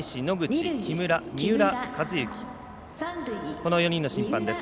この４人の審判です。